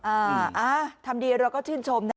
อ่าทำดีเราก็ชื่นชมนะ